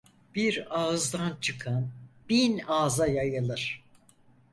Bir ağızdan çıkan, bin ağza yayılır.